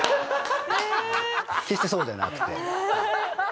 決してそうじゃなくて。